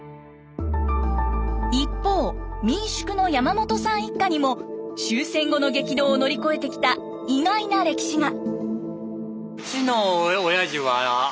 一方民宿の山本さん一家にも終戦後の激動を乗り越えてきた意外な歴史が。